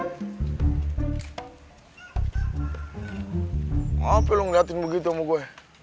kenapa lo ngeliatin begitu sama gue